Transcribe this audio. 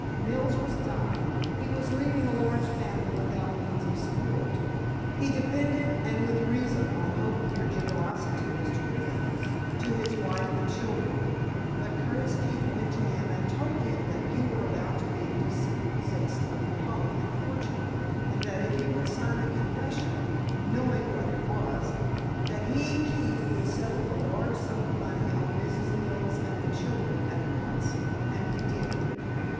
Mills was dying; he was leaving a large family without means of support. He depended, and with reason, on hope of your generosity, Mr. Wheeler, to his wife and children. But Curtis Keefe went to him and told him that you were about to be dispossessed of your home and fortune, and that if he would sign the confession—knowing what it was—that he, Keefe, would settle a large sum of money on Mrs. Mills and the children at once. And he did."